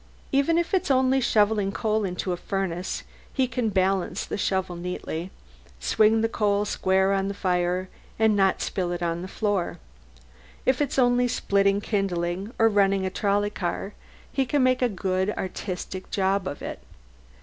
Even if it's only shovelling coal into a furnace he can balance the shovel neatly, swing the coal square on the fire and not spill it on the floor. If it's only splitting kindling or running a trolley car he can make a good, artistic job of it.